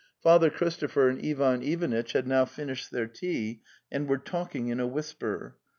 Father Christopher and Ivan Ivanitch had now finished their tea and were talking in a whisper.